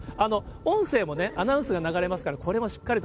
音声もね、アナウンスが流れますから、これもしっかりと。